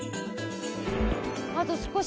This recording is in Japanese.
あと少し。